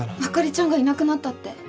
あかりちゃんがいなくなったって。